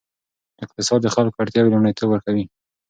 اقتصاد د خلکو اړتیاوې لومړیتوب ورکوي.